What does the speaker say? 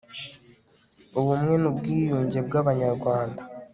ubumwe n' ubwiyunge bw' abanyarwanda